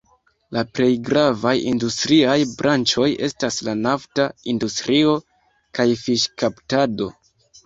La plej gravaj industriaj branĉoj estas la nafta industrio kaj fiŝkaptado.